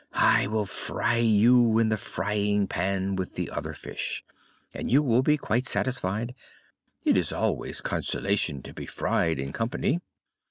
I will fry you in the frying pan with the other fish, and you will be quite satisfied. It is always consolation to be fried in company."